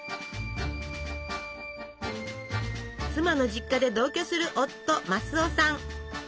妻の実家で同居する夫マスオさん。